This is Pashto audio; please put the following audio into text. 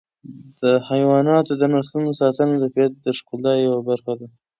د حیواناتو د نسلونو ساتنه د طبیعت د ښکلا یوه برخه ده.